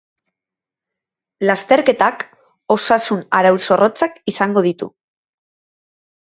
Lasterketak osasun arau zorrotzak izango ditu.